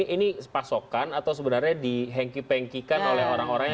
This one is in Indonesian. ini pasokan atau sebenarnya dihengki pengkikan oleh orang orangnya